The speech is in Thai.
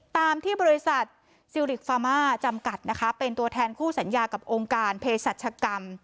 ตามที่บริษัทซิลิกฟามาจำกัดนะคะเป็นตัวแทนคู่สัญญากับองค์การเพศรัชกรรม